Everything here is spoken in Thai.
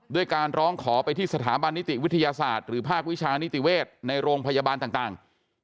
ด้วยการร้องขอไปที่สถาบันนิติวิทยาศาสตร์หรือภาควิชานิติเวศในโรงพยาบาลต่าง